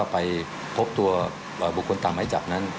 ไปพบตัวบุคคลตามไม้จับนั้น